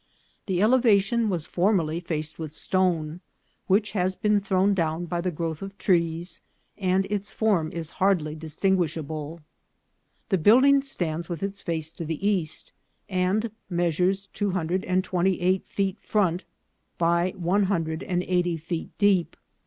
This elevation was formerly faced with stone, which has been thrown down by the growth of trees, and its form is hardly distin guishable. The building stands with its face to the east, and measures two hundred and twenty eight feet front by one hundred and eighty feet deep.